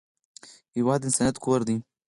هېواد د انسانیت کور دی.